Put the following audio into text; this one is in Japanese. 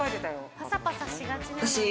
「パサパサしがちなのに」